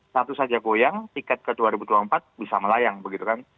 satu saja goyang tiket ke dua ribu dua puluh empat bisa melayang begitu kan